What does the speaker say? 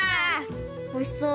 ・おいしそう・